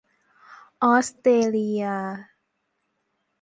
ออสเตรเลีย